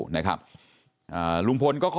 นะครับอ่าลุงพล